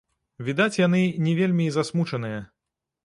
Відаць, яны не вельмі і засмучаныя.